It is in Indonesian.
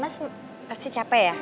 mas pasti capek ya